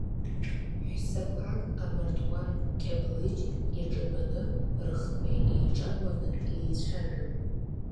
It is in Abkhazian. Ҳәсақәак амардуан кьаблыџь иаҿатәаны рыхқәа еиҿагәаны еицәажәон.